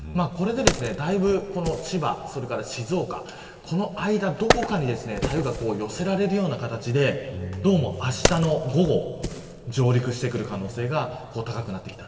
だいぶ、千葉、静岡この間のどこかに台風が寄せられるような形であしたの午後上陸してくる可能性が高くなってきた。